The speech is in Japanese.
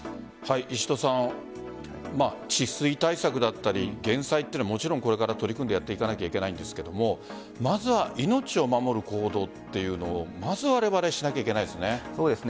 石戸さん治水対策だったり減災というのもこれから取り組んでやらなきゃいけないんですけどもまずは命を守る行動というのをわれわれはしなければいけないですね。